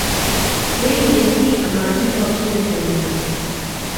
O jejím dětství a mládí toho příliš nevíme.